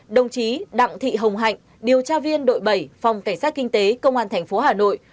đồng chí đặng thị hồng hạnh điều tra viên đội bảy phòng cảnh sát kinh tế công an tp hà nội